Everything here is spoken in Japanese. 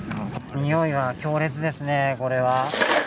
においが強烈ですね、これは。